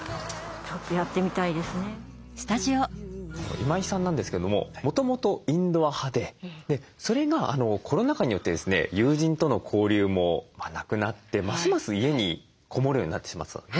今井さんなんですけれどももともとインドア派でそれがコロナ禍によってですね友人との交流もなくなってますます家にこもるようになってしまってたんですね。